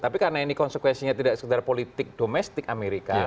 tapi karena ini konsekuensinya tidak sekedar politik domestik amerika